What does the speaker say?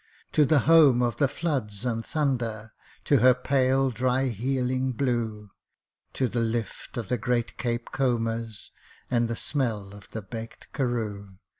To the home of the floods and thunder, To her pale dry healing blue To the lift of the great Cape combers, And the smell of the baked Karroo.